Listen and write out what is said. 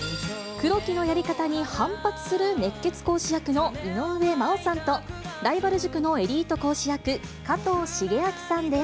黒木のやり方に反発する熱血講師役の井上真央さんと、ライバル塾のエリート講師役、加藤シゲアキさんです。